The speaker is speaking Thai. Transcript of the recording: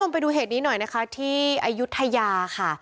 ไปดูเหตุนี้หน่อยนะคะที่อายุทยาค่ะ